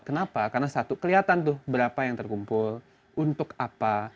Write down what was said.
kenapa karena satu kelihatan tuh berapa yang terkumpul untuk apa